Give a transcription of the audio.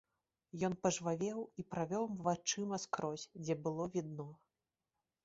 Ён пажвавеў і правёў вачыма скрозь, дзе было відно.